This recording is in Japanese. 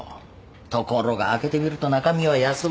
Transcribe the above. ところが開けてみると中身は安物。